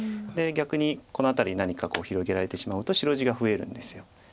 で逆にこの辺りに何か広げられてしまうと白地が増えるんです。